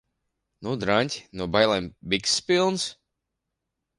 Nu, draņķi? No bailēm bikses pilnas?